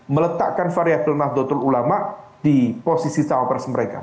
meletakkan variabel nahdlatul ulama di posisi cawapres mereka